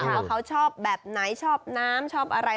ว่าเขาชอบแบบไหนชอบน้ำชอบอะไร